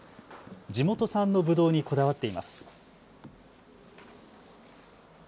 地元産のぶどうにこだわっています。